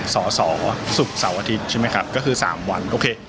สอสอศุกร์เสาร์อาทิตย์ใช่ไหมครับก็คือ๓วันโอเค